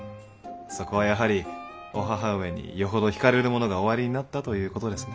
そこはやはりお母上によほど惹かれるものがおありになったということですね。